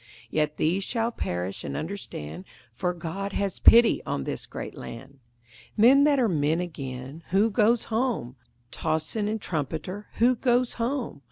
Yet these shall perish and understand, For God has pity on this great land. Men that are men again; who goes home? Tocsin and trumpeter! Who goes home?